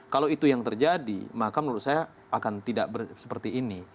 kalau itu yang terjadi maka menurut saya akan tidak seperti ini